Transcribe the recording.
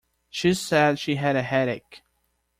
She said she had a headache.